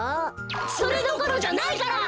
それどころじゃないから！